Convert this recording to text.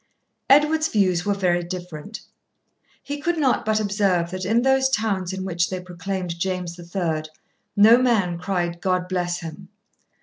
Edward's views were very different. He could not but observe that in those towns in which they proclaimed James the Third, 'no man cried, God bless him.'